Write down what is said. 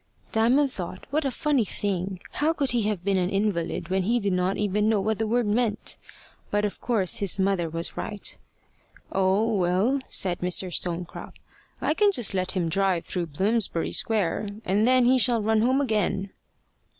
Diamond thought, what a funny thing! How could he have been an invalid when he did not even know what the word meant? But, of course, his mother was right. "Oh, well," said Mr. Stonecrop, "I can just let him drive through Bloomsbury Square, and then he shall run home again."